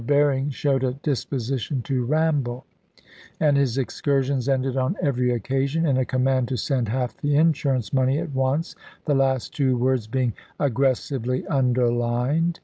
Berring showed a disposition to ramble, and his excursions ended on every occasion in a command to send half the insurance money at once the last two words being aggressively underlined.